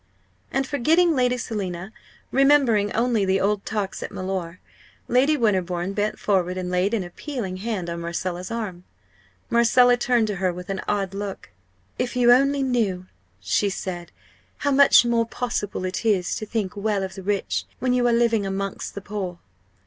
And forgetting Lady Selina, remembering only the old talks at Mellor, Lady Winterbourne bent forward and laid an appealing hand on Marcella's arm. Marcella turned to her with an odd look. "If you only knew," she said, "how much more possible it is to think well of the rich, when you are living amongst the poor!"